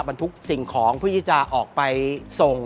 บรรทุกสิ่งของเพื่อที่จะออกไปส่ง